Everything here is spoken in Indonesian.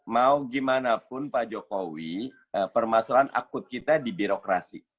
mau gimanapun pak jokowi permasalahan akut kita di birokrasi